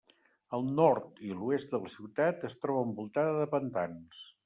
El nord i l'oest de la ciutat, es troba envoltada de pantans.